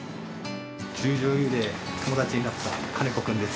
十條湯で友達になった金子君です。